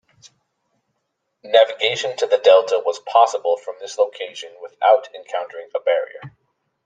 Navigation to the delta was possible from this location without encountering a barrier.